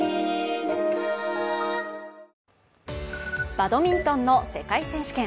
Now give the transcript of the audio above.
バドミントンの世界選手権。